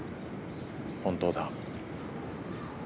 本当だ。